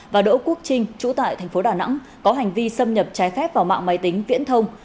và đỗ quốc trinh chủ tại thành phố đà nẵng có hành vi xâm nhập trái phép vào mạng máy tính viễn thông